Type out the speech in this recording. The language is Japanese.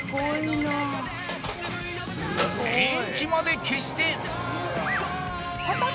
［電気まで消して］